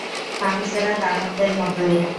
মানুষেরা দানবদের মতোই।